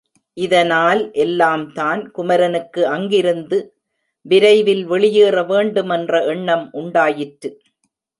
இதனால் எல்லாம்தான் குமரனுக்கு அங்கிருந்து விரைவில் வெளியேற வேண்டுமென்ற எண்ணம் உண்டாயிற்று.